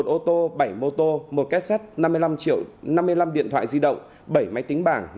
một ô tô bảy mô tô một cassette năm mươi năm điện thoại di động bảy máy tính bảng